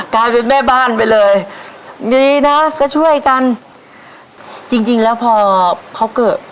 กลายเป็นแม่บ้านไปเลยดีนะก็ช่วยกันจริงจริงแล้วพอเขาเกิด